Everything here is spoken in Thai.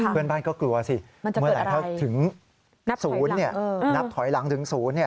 เพื่อนบ้านก็กลัวสิเมื่อไหร่ถ้าถึงศูนย์นับถอยหลังถึงศูนย์